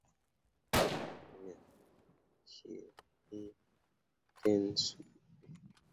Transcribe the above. Me jel hi ten sul be dah ni.